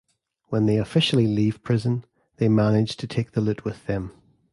When they 'officially' leave prison, they manage to take the loot with them.